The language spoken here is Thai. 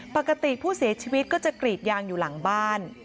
ปกติผู้เสียชีวิตก็จะกรีดยางอยู่หลังบ้าน